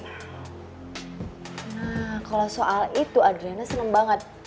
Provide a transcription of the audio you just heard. nah kalau soal itu adriana senang banget